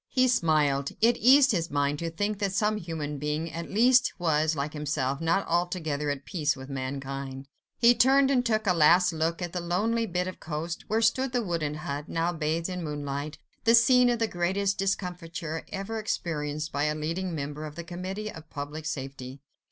He smiled. It eased his mind to think that some human being at least was, like himself, not altogether at peace with mankind. He turned and took a last look at the lonely bit of coast, where stood the wooden hut, now bathed in moonlight, the scene of the greatest discomfiture ever experienced by a leading member of the Committee of Public Safety.